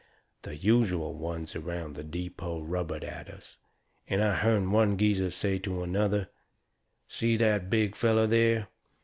The usual ones around the depot rubbered at us, and I hearn one geezer say to another: "See that big feller there?